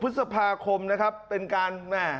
๓๐พฤษภาคมนะครับเป็นการ